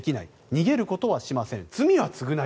逃げることはしません。